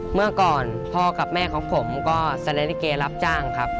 เมื่อก่อนพ่อกับแม่ของผมก็แสดงลิเกย์รับจ้างครับ